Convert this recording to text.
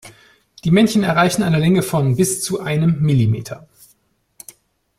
Die Männchen erreichen eine Länge von bis zu einem Millimeter.